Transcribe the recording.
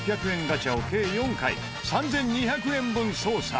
ガチャを計４回３２００円分捜査。